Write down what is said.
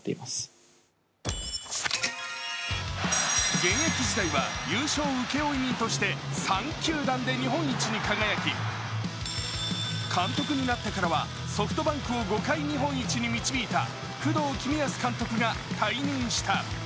現役時代は優勝請負人として３球団で日本一に輝き監督になってからは、ソフトバンクを５回日本一に導いた工藤公康監督が引退表明した。